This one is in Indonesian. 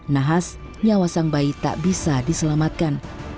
nahas nyawa sang bayi tak bisa diselamatkan